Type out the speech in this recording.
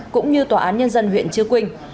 cũng như tòa án nhân dân huyện chia quynh